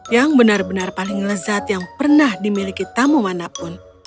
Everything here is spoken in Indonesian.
yang benar benar paling lezat yang pernah dimiliki tamu manapun